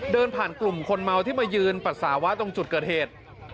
เดินผ่านกลุ่มคนเมาที่มายืนปัสสาวะตรงจุดเกิดเหตุ